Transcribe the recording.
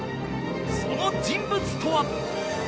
その人物とは